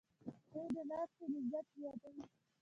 چای د ناستې لذت زیاتوي